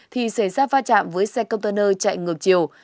thì xảy ra va chạm với xe container chạy ngược chiều